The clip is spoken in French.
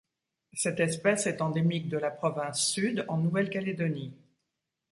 Cette espèce est endémique de la Province Sud en Nouvelle-Calédonie.